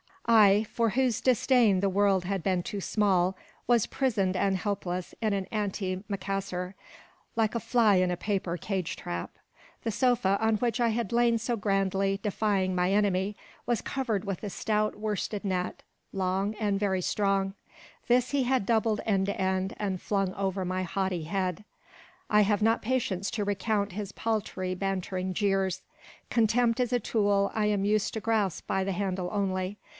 I, for whose disdain the world had been too small, was prisoned and helpless in an "anti macassar," like a fly in a paper cage trap. The sofa, on which I had lain so grandly defying my enemy, was covered with a stout worsted net, long and very strong: this he had doubled end to end, and flung over my haughty head. I have not patience to recount his paltry, bantering jeers. Contempt is a tool I am used to grasp by the handle only.